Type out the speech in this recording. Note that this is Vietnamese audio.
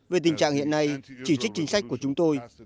về tình trạng hiện nay chỉ trích chính sách của chúng tôi